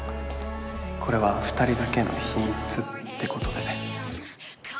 これは２人だけの秘密ってことで